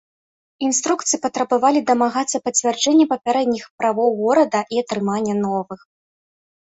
Інструкцыі патрабавалі дамагацца пацвярджэння папярэдніх правоў горада і атрымання новых.